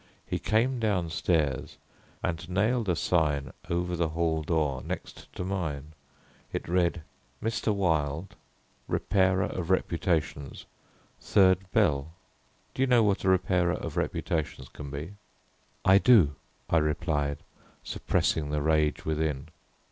He came downstairs and nailed a sign over the hall door next to mine; it read: "MR. WILDE, REPAIRER OF REPUTATIONS. Third Bell. "Do you know what a Repairer of Reputations can be?" "I do," I replied, suppressing the rage within.